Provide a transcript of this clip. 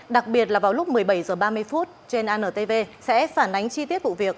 đặc biệt là vào lúc một mươi bảy h ba mươi trên antv sẽ phản ánh chi tiết vụ việc